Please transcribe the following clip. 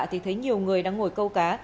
thì thấy nhiều người đang ngồi câu cá